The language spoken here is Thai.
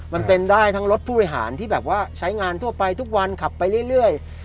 มันเป็นได้ทั้งรถผู้บริหารที่แบบว่าใช้งานทั่วไปทุกวันขับไปเรื่อย